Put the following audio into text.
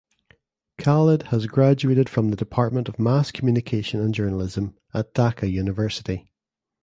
Khaled has graduated from the Department of Mass Communication and Journalism at Dhaka University.